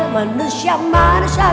manusia manusia kuat